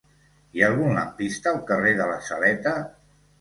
Hi ha algun lampista al carrer de la Saleta?